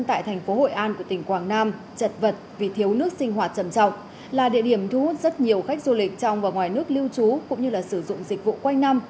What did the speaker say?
tại thành phố hội an của tỉnh quảng nam chật vật vì thiếu nước sinh hoạt trầm trọng là địa điểm thu hút rất nhiều khách du lịch trong và ngoài nước lưu trú cũng như sử dụng dịch vụ quanh năm